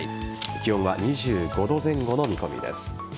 気温は２５度前後の見込みです。